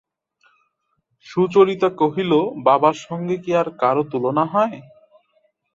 সুচরিতা কহিল, বাবার সঙ্গে কি আর কারো তুলনা হয়?